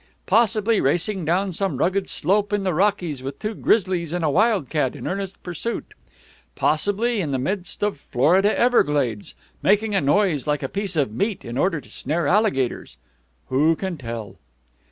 Possibly racing down some rugged slope in the Rockies with two grizzlies and a wildcat in earnest pursuit. Possibly in the midst of Florida Everglades, making a noise like a piece of meat in order to snare alligators. Who can tell?"